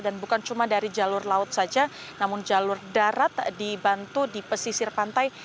dan bukan cuma dari jalur laut saja namun jalur darat dibantu di pesisir pantai